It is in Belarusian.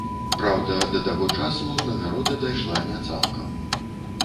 Праўда, да таго часу ўзнагарода дайшла не цалкам.